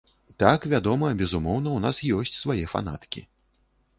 Так, вядома, безумоўна ў нас ёсць свае фанаткі.